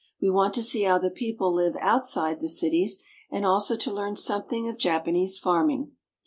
We want to see how the people live out side the cities, and also to learn something of Japanese farming.